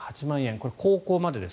これ、高校までです。